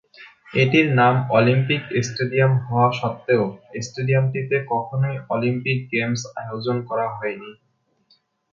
এটির নাম Olympic stadium হওয়া সত্ত্বেও, স্টেডিয়ামটিতে কখনোই অলিম্পিক গেমস আয়োজন করা হয়নি।